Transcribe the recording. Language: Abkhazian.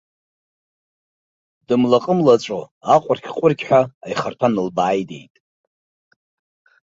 Дымлаҟы-млаҵәо, аҟәырқь-ҟәырқьҳәа аихарҭәа нылбааидеит.